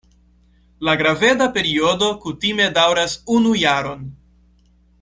La graveda periodo kutime daŭras unu jaron.